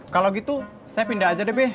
kalau gitu saya pindah aja deh deh